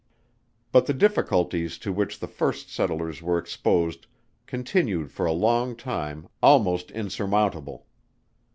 But the difficulties to which the first settlers were exposed continued for a long time almost insurmountable.